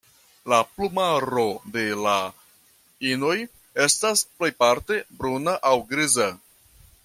La plumaro de la inoj estas plejparte bruna aŭ griza.